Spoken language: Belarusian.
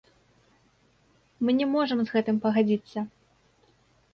Мы не можам з гэтым пагадзіцца!